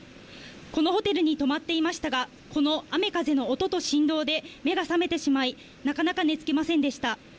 このホテルに泊まっていましたが、この雨風の音と振動で目が覚めてしまい、なかなか寝つけませんでした。